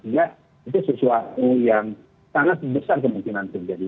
ya itu sesuatu yang sangat besar kemungkinan terjadi